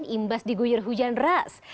imbas digunyur hujan ras